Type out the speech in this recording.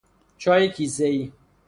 چای کیسه ای